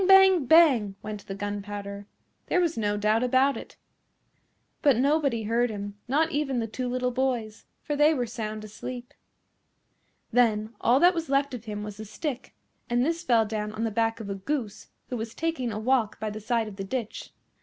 Bang! Bang! went the gunpowder. There was no doubt about it. But nobody heard him, not even the two little boys, for they were sound asleep. Then all that was left of him was the stick, and this fell down on the back of a Goose who was taking a walk by the side of the ditch.